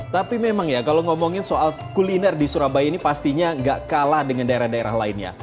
tapi memang ya kalau ngomongin soal kuliner di surabaya ini pastinya gak kalah dengan daerah daerah lainnya